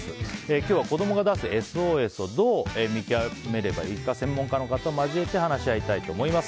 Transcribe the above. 今日は子供が出すＳＯＳをどう見極めればいいか専門家の方を交えて話し合いたいと思います。